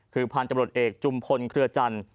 คือพันธุ์ตำรวจเอกจุมพลเครือจันทร์